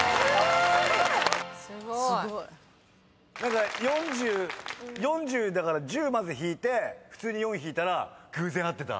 すごい。何か４０だから１０まず引いて普通に４引いたら偶然合ってた。